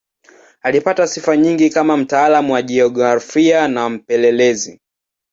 Alipata sifa nyingi kama mtaalamu wa jiografia na mpelelezi.